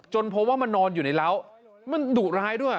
เพราะว่ามันนอนอยู่ในร้าวมันดุร้ายด้วย